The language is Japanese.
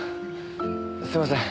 すいません。